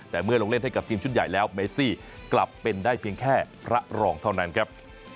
แต่เมื่อลงเล่นให้กับทีมชุดใหญ่แล้วเมซี่กลับเป็นได้เพียงแค่พระรองเท่านั้นครับ